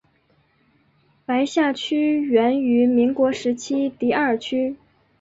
白下区源于民国时期的第二区。